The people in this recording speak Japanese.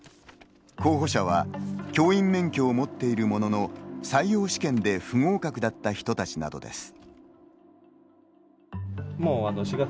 候補者は教員免許を持っているものの採用試験で不合格だった人たちなどです。